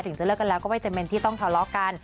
ถึงจะเลิกกันแล้วก็ไม่จำเป็นที่ต้องทะเลาะกัน